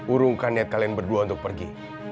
urungkan niat kalian berdua untuk pergi